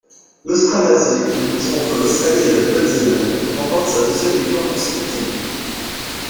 L'Australasie, combinaison entre l'Australie et la Nouvelle-Zélande, remporte sa deuxième victoire consécutive.